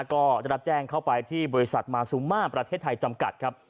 ก็ได้รับแจ้งเข้าไปที่บริษัทมาซูมาประเทศไทยจำกัดครับ